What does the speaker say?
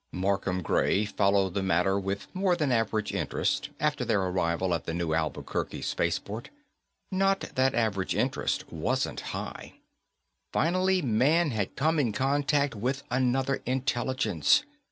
Markham Gray followed the matter with more than average interest, after their arrival at the New Albuquerque spaceport. Not that average interest wasn't high. Finally man had come in contact with another intelligence.